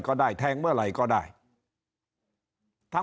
สวัสดีครับท่านผู้ชมครับสวัสดีครับท่านผู้ชมครับ